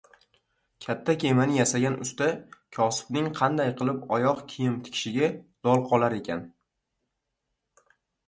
• Katta kemani yasagan usta kosibning qanday qilib oyoq kiyim tikishiga lol qolar ekan.